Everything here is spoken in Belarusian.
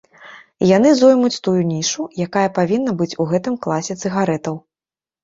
І яны зоймуць тую нішу, якая павінна быць у гэтым класе цыгарэтаў.